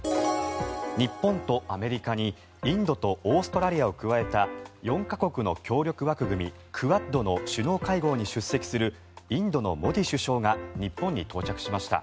日本とアメリカにインドとオーストラリアを加えた４か国の協力枠組みクアッドの首脳会合に出席するインドのモディ首相が日本に到着しました。